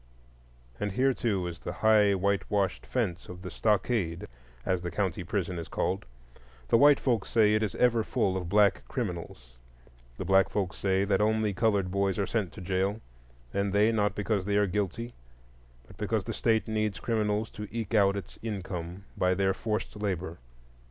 And here, too, is the high whitewashed fence of the "stockade," as the county prison is called; the white folks say it is ever full of black criminals,—the black folks say that only colored boys are sent to jail, and they not because they are guilty, but because the State needs criminals to eke out its income by their forced labor.